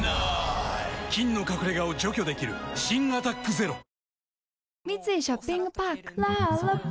菌の隠れ家を除去できる新「アタックＺＥＲＯ」なんか綺麗になった？